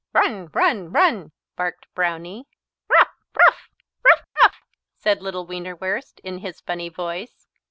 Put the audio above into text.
"Run, run, run!" barked Brownie. "Rough, rough rough, rough!" said little Wienerwurst in his funny voice.